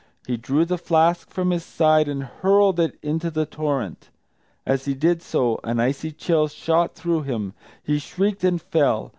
He drew the flask from his side and hurled it into the torrent. As he did so, an icy chill shot through him; he shrieked and fell.